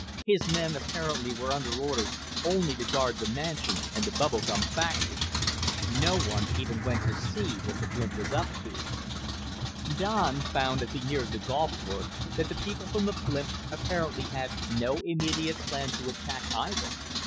His men apparently were under orders only to guard the mansion and the bubble gum factory. No one even went to see what the blimp was up to. Don found as he neared the golf course that the people from the blimp apparently had no immediate plan to attack, either.